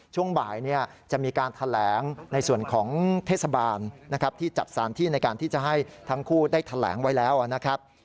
ช่วงบ่ายจะมีการแผ่นเทศบาลที่จะให้ทั้งคู่แผ่นแผ่นไว้แล้วนะครับ